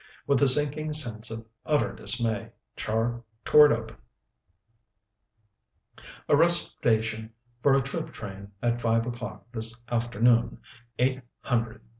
With a sinking sense of utter dismay, Char tore it open. "A rest station for a troop train at five o'clock this afternoon. Eight hundred.